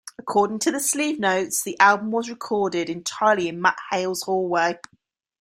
According to the sleeve notes, the album was recorded entirely in Matt Hales' hallway.